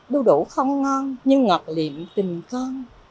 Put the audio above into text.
đu đủ không ngon như ngọt liệm tình con